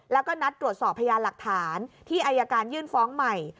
แล้วก็นัดตรวจสอบพยานหลักฐานที่อายการยื่นฟ้องใหม่